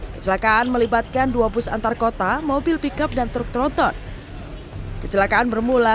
kecelakaan melibatkan dua bus antarkota mobil pickup dan truk troton kecelakaan bermula